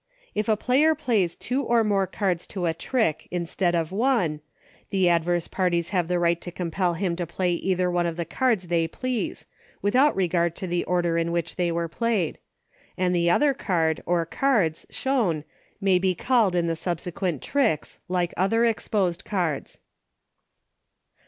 If a player plays two or more cards to a trick instead of one, the adverse parties have the right to compel him to play either one of the cards they please, without regard to the order in which they were played, and the other card, or cards, shown may be called in the subsequent tricks, like other exposed cards.